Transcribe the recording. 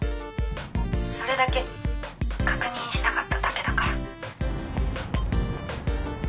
「それだけ確認したかっただけだから」。